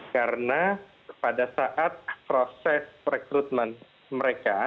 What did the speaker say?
karena pada saat proses rekrutmen mereka